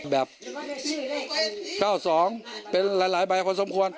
แบบ๙๒เป็นหลายใบพอสมควร